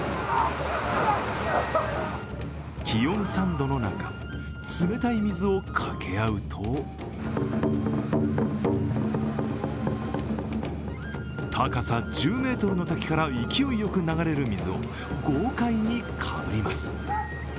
気温３度の中、冷たい水をかけ合うと高さ１０ｍの滝から勢いよく流れる水を豪快にかぶります。